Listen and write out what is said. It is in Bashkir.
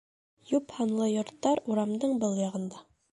Йоп һанлы йорттар урамдың был яғында